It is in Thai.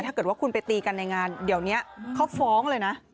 ถ้าเกิดว่าคุณไปตีกันในงานเดี๋ยวนี้เขาฟ้องเลยนะ